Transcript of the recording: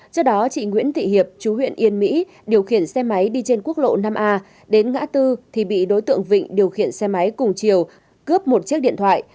trước đó chị nguyễn thị hiệp chú huyện yên mỹ điều khiển xe máy đi trên quốc lộ năm a đến ngã tư thì bị đối tượng vịnh điều khiển xe máy cùng chiều cướp một chiếc điện thoại